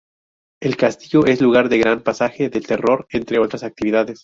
El castillo es lugar de un gran pasaje del terror, entre otras actividades.